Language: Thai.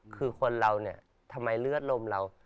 คือคนเราทำไมเลือดลมเรา